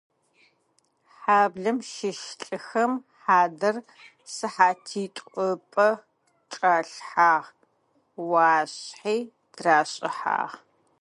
Хьаблэм щыщ лӏыхэм хьадэр сыхьатитӏу ыпэ чӏалъхьагъ, ӏуашъхьи трашӏыхьагъ.